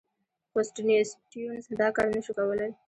خو سټیونز دا کار نه شو کولای.